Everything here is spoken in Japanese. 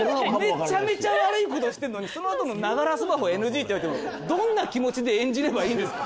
めちゃめちゃ悪いことしてるのにそのあとのながらスマホＮＧって言われてもどんな気持ちで演じればいいんですか？